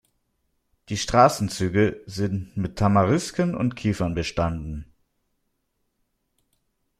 Die Straßenzüge sind mit Tamarisken und Kiefern bestanden.